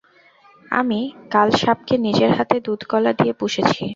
আমি কালসাপকে নিজের হাতে দুধকলা দিয়ে পুষেছি।